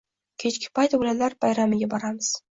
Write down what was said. “Kechki payt bolalar bayramiga boramiz.